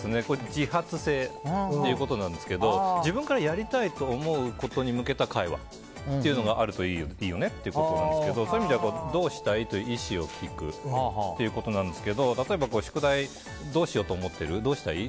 自発性ということなんですけど自分からやりたいと思うことに向けた会話があるといいよねということなんですけどそういう意味ではどうしたい？と意思を聞くということなんですが例えば宿題どうしようと思ってる？